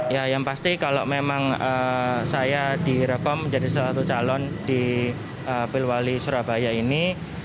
ya yang pasti kalau memang saya direkom menjadi salah satu calon di pilwali surabaya ini